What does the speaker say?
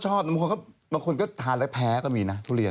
บางคนบางคนก็ทานแล้วแพ้ก็มีนะทุเรียน